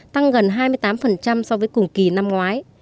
tăng gần hai mươi tám so với cùng kỳ năm ngoái